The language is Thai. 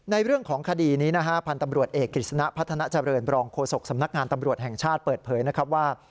เรื่องของคดีนี้นะฮะพันธ์ตำรวจเอกกฤษณะพัฒนาเจริญบรองโฆษกสำนักงานตำรวจแห่งชาติเปิดเผยนะครับว่า